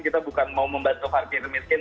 kita bukan mau membantu harga kemiskin